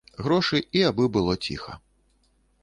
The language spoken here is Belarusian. Грошы і абы было ціха.